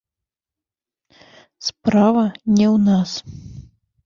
Справа не ў нас.